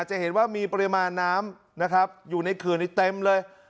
จะเห็นว่ามีปริมาณน้ำนะครับอยู่ในเขื่อนในเต็มเลย